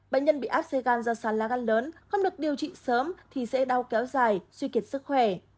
bệnh nhân bị áp xe gan do sán lá gan lớn không được điều trị sớm thì sẽ đau kéo dài suy kiệt sức khỏe